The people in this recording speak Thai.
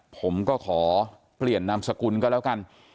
ผมก็ขอเปลี่ยนนามสกุลก็แล้วกัน